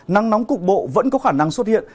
nắng nóng cục bộ vẫn có khả năng xuất hiện